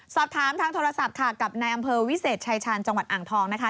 สอบถามทางโทรศัพท์ค่ะกับนายอำเภอวิเศษชายชาญจังหวัดอ่างทองนะคะ